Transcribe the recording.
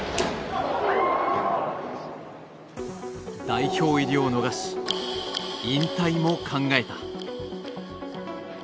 代表入りを逃し、引退も考えた。